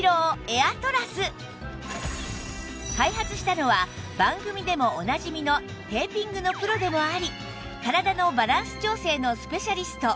開発したのは番組でもおなじみのテーピングのプロでもあり体のバランス調整のスペシャリスト